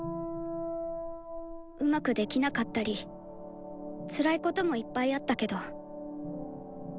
うまくできなかったりつらいこともいっぱいあったけど。